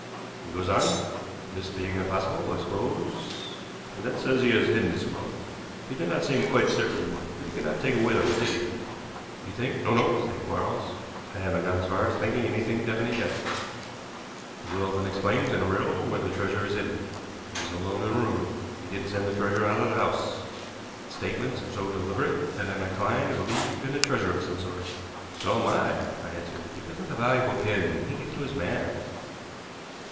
"He goes on: 'This being impossible, I suppose,' and then says he has hidden his wealth. He did not seem quite certain that he could not take it with him, did he?" "You think " "No, no," said Quarles, "I haven't got as far as thinking anything definite yet. The will then explains in a riddle where the treasure is hidden. He was alone in a room. He didn't send the treasure out of the house. The statements are so deliberate that I am inclined to believe in a treasure of some sort." "So am I," I answered, "because of the valuable pin he gave to his man."